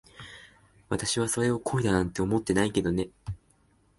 私はそれを恋だなんて思ってないけどね。